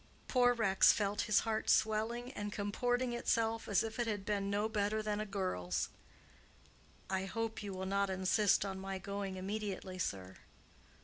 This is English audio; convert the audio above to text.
Poor Rex felt his heart swelling and comporting itself as if it had been no better than a girl's. "I hope you will not insist on my going immediately, sir."